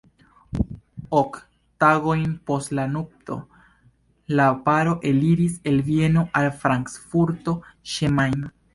Ok tagojn post la nupto, la paro eliris el Vieno al Frankfurto ĉe Majno.